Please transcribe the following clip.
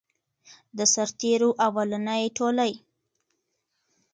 د سرتیرو اولنی ټولۍ.